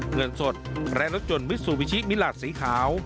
เงินสดและรถจนวิสุวิชิมิหลาดสีขาว